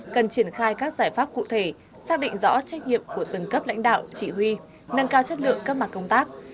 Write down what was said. cần triển khai các giải pháp cụ thể xác định rõ trách nhiệm của từng cấp lãnh đạo chỉ huy nâng cao chất lượng các mặt công tác